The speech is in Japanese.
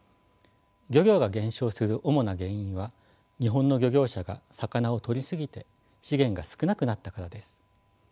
漁業が減少している主な原因は日本の漁業者が魚をとりすぎて資源が少なくなったからです。